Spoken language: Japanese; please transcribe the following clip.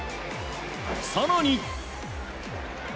更に。